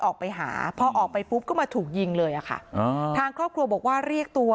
ออกไปหาพอออกไปปุ๊บก็มาถูกยิงเลยอ่ะค่ะอ่าทางครอบครัวบอกว่าเรียกตัว